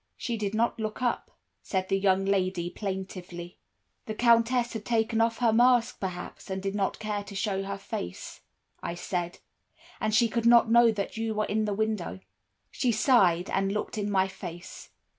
"'She did not look up,' said the young lady, plaintively. "'The Countess had taken off her mask, perhaps, and did not care to show her face,' I said; 'and she could not know that you were in the window.' "She sighed, and looked in my face.